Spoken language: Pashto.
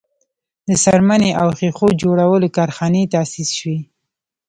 د څرمنې او ښیښو جوړولو کارخانې تاسیس شوې.